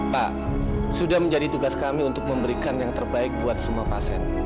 pak sudah menjadi tugas kami untuk memberikan yang terbaik buat semua pasien